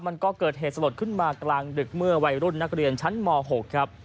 มันก็เกิดเหตุสลดขึ้นมากลางดึกเมื่อวัยรุ่นนักเรียนชั้นม๖ครับ